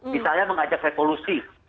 misalnya mengajak revolusi